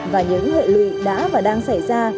và những hệ lụy đã và đang xảy ra